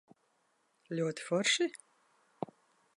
Ļoti forši?